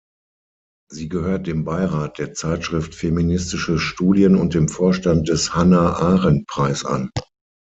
Sie gehört dem Beirat der Zeitschrift Feministische Studien und dem Vorstand des Hannah-Arendt-Preis an.